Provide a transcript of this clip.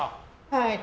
はい。